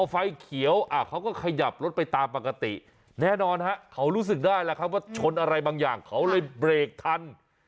ไฟเขียวเขาก็ขยับรถไปตามปกติแน่นอนฮะเขารู้สึกได้แล้วครับว่าชนอะไรบางอย่างเขาเลยเบรกทัน